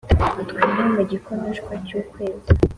twine mu gikonoshwa cy'ukwezi,